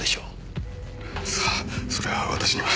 さあそれは私には。